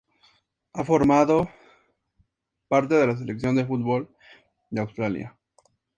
Ha formado parte de la selección de fútbol de Australia.